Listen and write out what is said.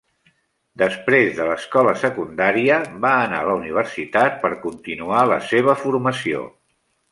Després de l'escola secundària, va anar a la universitat per continuar la seva formació.